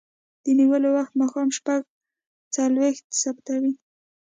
د نیولو وخت ماښام شپږ څلویښت ثبتوي.